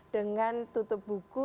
dengan tutup buku